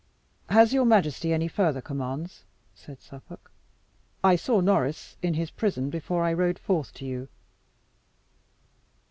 "Has your majesty any further commands?" said Suffolk. "I saw Norris in his prison before I rode forth to you."